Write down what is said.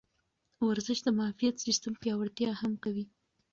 ورزش د معافیت سیستم پیاوړتیا هم کوي.